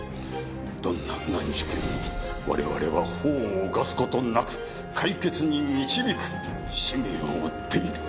どんな難事件も我々は法を犯す事なく解決に導く使命を負っている。